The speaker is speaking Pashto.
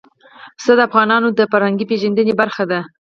پسه د افغانانو د فرهنګي پیژندنې برخه ده.